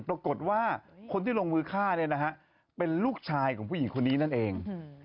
ปรากฏว่าคนที่ลงมือฆ่าเนี่ยนะฮะเป็นลูกชายของผู้หญิงคนนี้นั่นเอง